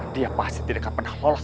dia pasti tidak akan pernah lolos